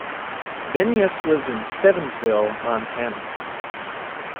Benyus lives in Stevensville, Montana.